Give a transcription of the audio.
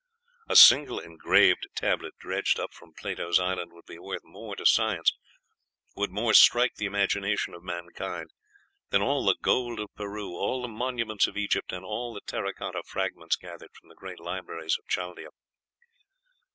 A single engraved tablet dredged up from Plato's island would be worth more to science, would more strike the imagination of mankind, than all the gold of Peru, all the monuments of Egypt, and all the terra cotta fragments gathered from the great libraries of Chaldea.